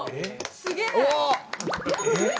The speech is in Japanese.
すげえ。